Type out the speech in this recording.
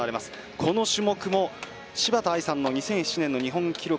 この種目も柴田亜衣さんの２００７年の日本記録